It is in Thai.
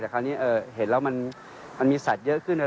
แต่คราวนี้เห็นแล้วมันมีสัตว์เยอะขึ้น